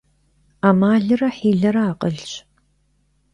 Ӏэмалрэ хьилэрэ акъылщ.